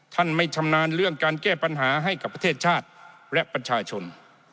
ไม่ชำนาญเรื่องการแก้ปัญหาให้กับประเทศชาติและประชาชน